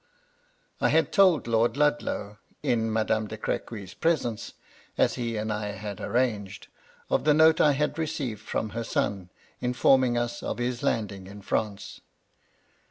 I had told Lord Ludlow, in Madame de Crequy's presence, as he and I had arranged, of the note I had received from her son, informing us of his landing in France.